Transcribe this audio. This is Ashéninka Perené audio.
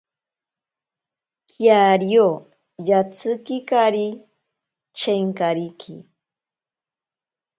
Kiario yatsikikari chenkariki.